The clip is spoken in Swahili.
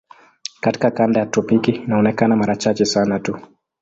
Katika kanda ya tropiki inaonekana mara chache sana tu.